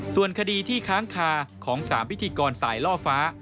ส่วนคดีที่ค้างคาของ๓พิธีกรสายล่อฟ้า